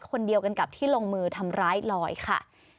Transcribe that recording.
คนเดียวกันกับที่ลงมือทำร้ายลอยค่ะ